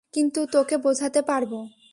কিন্তু তোকে বোঝাতে পারব।